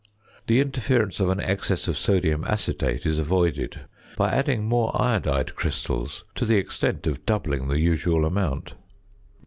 The interference of an excess of sodium acetate is avoided by adding more iodide crystals to the extent of doubling the usual amount.